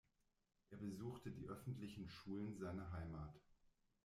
Er besuchte die öffentlichen Schulen seiner Heimat.